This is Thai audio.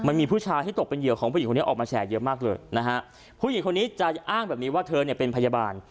ผู้ชายที่ตกเป็นเหยื่อของผู้หญิงคนนี้ออกมาแชร์เยอะมากเลยนะฮะผู้หญิงคนนี้จะอ้างแบบนี้ว่าเธอเนี่ยเป็นพยาบาล